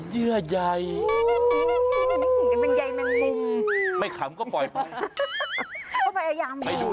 ก็ต้องดูไหมเห็นไหมว่าพี่พบจดในว่า